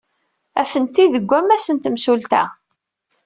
Atenti deg wammas n temsulta.